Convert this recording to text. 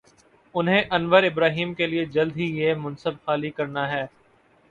انہیں Anwar Ibrahim کے لیے جلد ہی یہ منصب خالی کر نا ہے۔